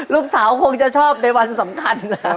ลูกสาวคงจะชอบในวันสำคัญนะครับ